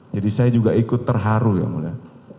jadi saya juga ikut terharu ya mulia